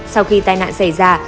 sau khi tai nạn xảy ra